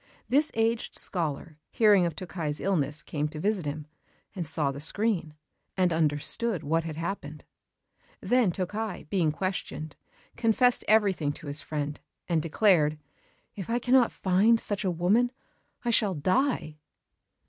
This aged scholar, hearing of Tokkei's illness, came to visit him, and saw the screen, and understood what had happened. Then Tokkei, being questioned, confessed everything to his friend, and declared: "If I cannot find such a woman, I shall die."